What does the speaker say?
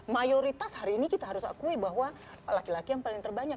mayoritas hari ini kita harus akui bahwa laki laki yang paling terbanyak